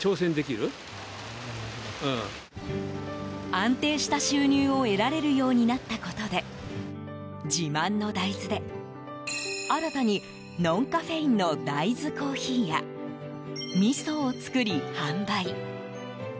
安定した収入を得られるようになったことで自慢の大豆で新たにノンカフェインの大豆コーヒーやみそを作り販売。